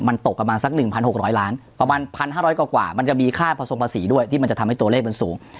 มันตกประมาณสัก๑๖๐๐ล้านประมาณ๑๕๐๐กว่ามันจะมีค่าผสมภาษีด้วยที่มันจะทำให้ตัวเลขมันสูง